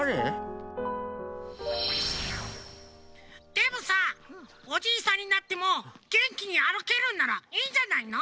でもさおじいさんになってもげんきにあるけるんならいいんじゃないの？